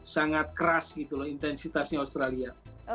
sangat keras gitu loh intensitasnya australia